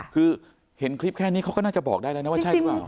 คือเห็นคลิปแค่นี้เขาก็น่าจะบอกได้แล้วนะว่าใช่หรือเปล่า